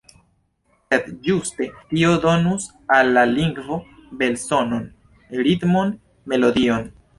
Sed ĝuste tio donus al la lingvo belsonon, ritmon, melodion.